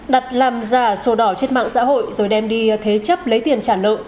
đặt làm giả sổ đỏ trên mạng xã hội rồi đem đi thế chấp lấy tiền trả nợ